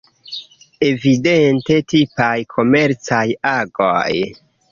Evidente tipaj komercaj agoj.